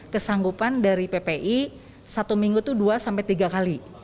kesanggupan dari ppi satu minggu itu dua sampai tiga kali